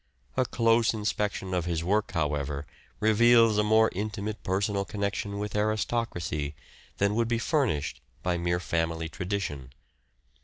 A close inspection of his work, however, reveals a more intimate personal connection with aristocracy than would be furnished by mere family tradition.